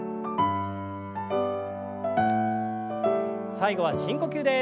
最後は深呼吸です。